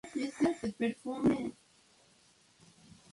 Es en la colección del Palacio de Versalles, en Versalles, cerca de París.